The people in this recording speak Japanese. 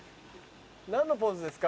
何のポーズですか？